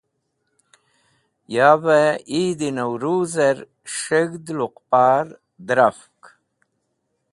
Yavey Eid e Nauruz er S̃heg̃d Luqpar Dẽrafk